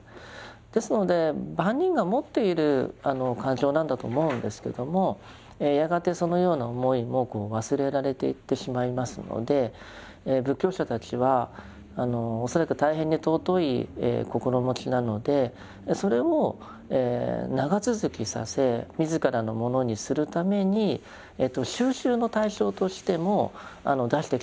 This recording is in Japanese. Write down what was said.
ですので万人が持っている感情なんだと思うんですけどもやがてそのような思いも忘れられていってしまいますので仏教者たちは恐らく大変に尊い心持ちなのでそれを長続きさせ自らのものにするために修習の対象としても出してきたんだと思います。